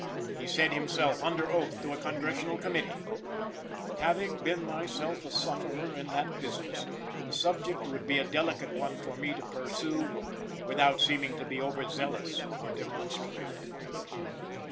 He said himself under oath to a Congressional Committee: "Having been myself a sufferer in that business, the subject would be a delicate one for me to pursue without seeming to be over zealous or demonstrative."